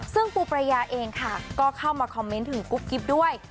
ซึ่งปูประยาเองค่ะก็เข้ามาคอมเมนต์ถึงกุ๊บกิ๊บด้วย